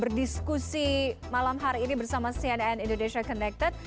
berdiskusi malam hari ini bersama cnn indonesia connected